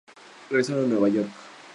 Regresaron a Nueva York.